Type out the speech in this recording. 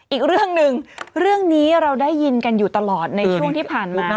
อีกเรื่องหนึ่งเรื่องนี้เราได้ยินกันอยู่ตลอดในช่วงที่ผ่านมา